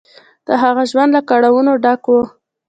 د هغه ژوند له کړاوونو ډک و.